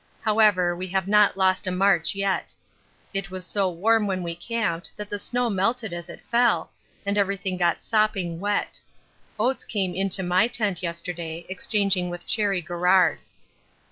However, we have not lost a march yet. It was so warm when we camped that the snow melted as it fell, and everything got sopping wet. Oates came into my tent yesterday, exchanging with Cherry Garrard.